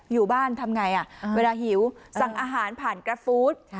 อยู่บ้านทำไงเวลาหิวสั่งอาหารผ่านกราฟฟู้ด